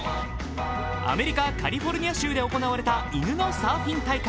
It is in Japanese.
アメリカ・カリフォルニア州で行われた犬のサーフィン大会。